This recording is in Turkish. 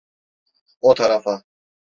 O tarafa!